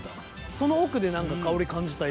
その奥で何か香り感じた今。